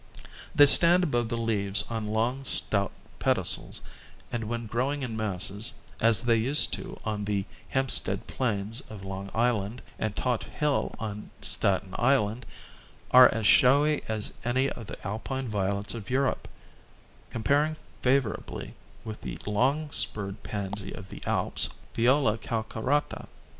They stand above the leaves on long stout pedicels and when growing in masses, as they used to on the Hempstead Plains of Long Island and Todt Hill on Staten Island, are as showy as any of the Alpine violets of Europe, comparing favorably with the long spurred pansy of the Alps, Viola calcarata.